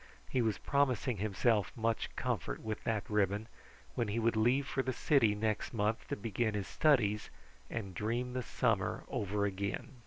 He was promising himself much comfort with that ribbon, when he would leave for the city next month to begin his studies and dream the summer over again.